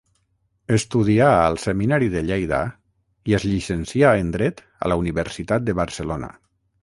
Estudià al seminari de Lleida i es llicencià en dret a la Universitat de Barcelona.